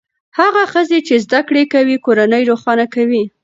هغه ښځې چې زده کړې کوي کورنۍ روښانه کوي.